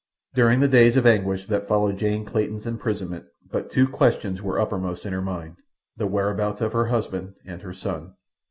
During the days of anguish that followed Jane Clayton's imprisonment, but two questions were uppermost in her mind—the whereabouts of her husband and her son.